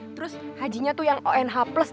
terus hajinya tuh yang onh plus tau gak